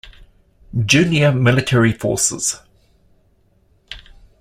Junior Military Forces.